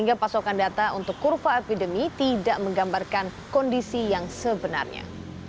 dan data untuk kurva epidemi tidak menggambarkan kondisi yang sebenarnya